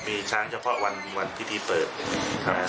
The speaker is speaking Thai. มีช้างเฉพาะวันวันที่ที่เปิดครับ